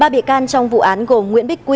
ba bị can trong vụ án gồm nguyễn bích quy